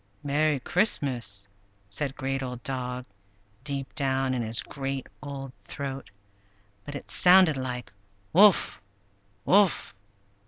"Merry Christmas!" said Great Old Dog, deep down in his great old throat (but it sounded like "Wuff!